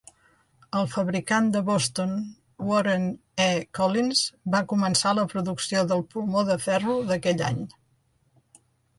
El fabricant de Boston, Warren E. Collins, va començar la producció del pulmó de ferro d'aquell any.